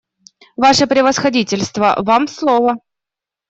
Ваше Превосходительство, вам слово.